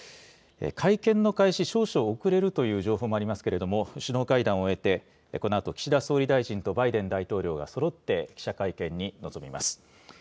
会見の開始、少々遅れるという情報もありますけれども、首脳会談を終えて、このあと岸田総理大臣とバイデン大統領が、そろって記者会見に臨みます。